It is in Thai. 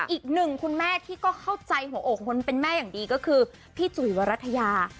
อีกหนึ่งคุณแม่ที่ก็เข้าใจหัวอกคนเป็นแม่อย่างดีก็คือพี่จุ๋ยวรัฐยา